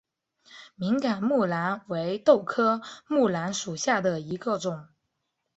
敏感木蓝为豆科木蓝属下的一个种。